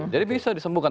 jadi bisa disembuhkan